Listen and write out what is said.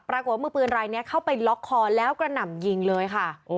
ปรากฏว่ามือปืนรายนี้เข้าไปล็อกคอแล้วกระหน่ำยิงเลยค่ะ